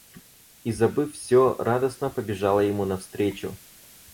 И забыв всё, радостно побежала ему навстречу.